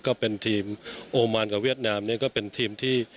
ก็เป็นทีมโอมานกับเวียดนามเนี่ยก็เป็นทีมที่